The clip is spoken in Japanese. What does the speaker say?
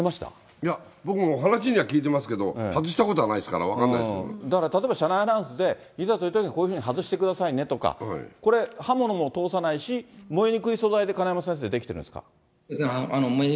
いや、僕も話には聞いてますけど、外したことないから、分か例えば、車内アナウンスで、いざというときはこういうふうに外してくださいねとか、これ、刃物も通さないし、燃えにくい素材で、金山先生、出来てるんですか？